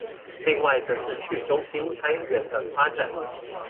另外則是去中心開源的發展